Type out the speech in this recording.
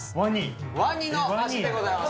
ワニの足でございます・